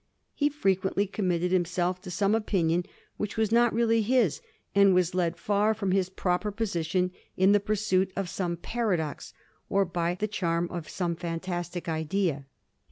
He frequently committed himself to some opinion which was not really his, and was led far from his proper position in the pursuit of some paradox, or by the charm of some fantastic idea.